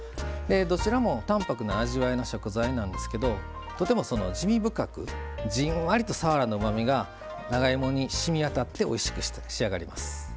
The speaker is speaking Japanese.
どちらも淡泊な味わいの食材なんですけどとても滋味深くじんわりとさわらのうまみが長芋にしみわたっておいしく仕上がります。